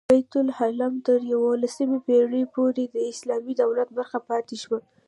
بیت لحم تر یوولسمې پېړۍ پورې د اسلامي دولت برخه پاتې شو.